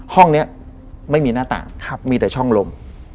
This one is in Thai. ห้องนี้ไม่มีหน้าต่างมีแต่ช่องลม